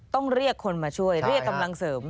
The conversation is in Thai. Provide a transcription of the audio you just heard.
ต้องเรียกคนมาช่วยเรียกกำลังเสริม